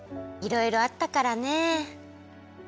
いろいろあったからねえ。